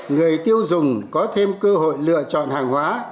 người tiêu dùng có thêm cơ hội lựa chọn hàng hóa